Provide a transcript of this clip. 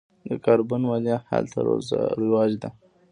د کاربن مالیه هلته رواج ده.